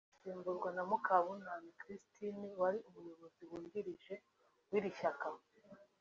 agasimburwa na Mukabunani Christine wari umuyobozi wungirije w’iri shyaka